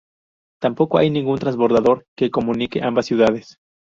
Tampoco hay ningún transbordador que comunique ambas ciudades.